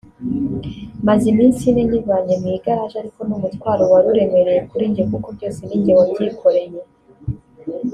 Maze iminsi ine nyivanye mu igaraji ariko ni umutwaro wari uremereye kuri njye kuko byose ni njye wabyikoreye